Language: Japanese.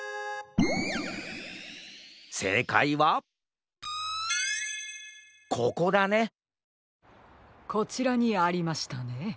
せいかいはここだねこちらにありましたね。